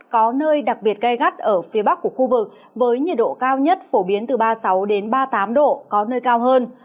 có nơi đặc biệt gai gắt ở phía bắc của khu vực với nhiệt độ cao nhất phổ biến từ ba mươi sáu ba mươi tám độ có nơi cao hơn